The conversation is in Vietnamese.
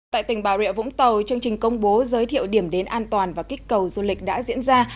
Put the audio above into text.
tại tỉnh bà rịa vũng tàu chương trình công bố giới thiệu điểm đến an toàn và kích cầu du lịch đã diễn ra